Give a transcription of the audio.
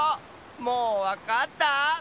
もうわかった？